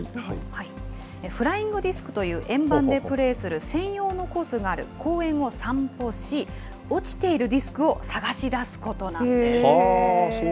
フライングディスクという円盤でプレーする専用のコースがある公園を散歩し、落ちているディスクを捜し出すことなんです。